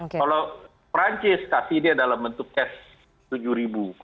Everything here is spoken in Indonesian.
kalau perancis kasih dia dalam bentuk cash tujuh ribu